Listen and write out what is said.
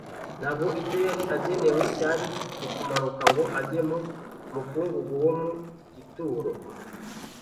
ntabwo icyo yari agenewe cyari ukumanuka ngo ajye mu mukungugu wo mu gituro,